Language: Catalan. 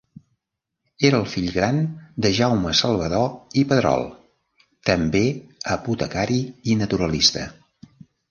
Era el fill gran de Jaume Salvador i Pedrol, també apotecari i naturalista.